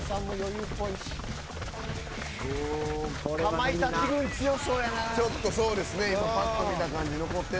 かまいたち軍、強そうやな。